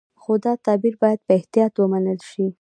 خو دا تعبیر باید په احتیاط ومنل شي.